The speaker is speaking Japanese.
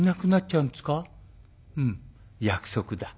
「うん約束だ。